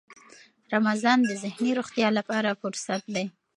رمضان د ذهني روغتیا لپاره فرصت دی.